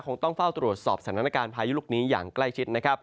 ต้องเฝ้าตรวจสอบสถานการณ์พายุลูกนี้อย่างใกล้ชิดนะครับ